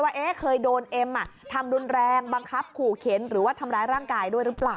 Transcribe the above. ว่าเคยโดนเอ็มทำรุนแรงบังคับขู่เข็นหรือว่าทำร้ายร่างกายด้วยหรือเปล่า